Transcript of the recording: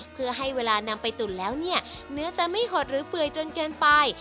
เพื่อให้เวลานำไปตุ๋นแล้วเนี่ยเนื้อจะไม่หดหรือเปื่อยจนเกินไป